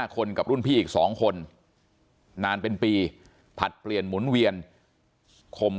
คนกับรุ่นพี่อีก๒คนนานเป็นปีผลัดเปลี่ยนหมุนเวียนคม